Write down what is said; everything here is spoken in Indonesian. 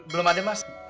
belum ada mas